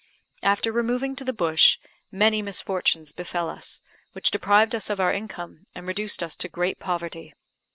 After removing to the bush, many misfortunes befel us, which deprived us of our income, and reduced us to great poverty.